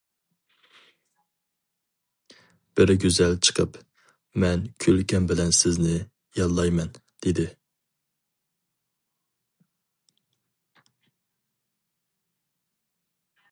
بىر گۈزەل چىقىپ: «مەن، كۈلكەم بىلەن سىزنى ياللايمەن» دېدى.